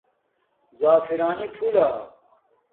زَفرانئ پھولہ